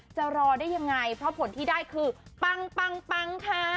จะรอได้ยังไงเพราะผลที่ได้คือปังค่ะ